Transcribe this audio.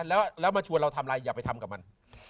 แล้วมาชวนเราทำอะไรอย่าไปทำกับมัน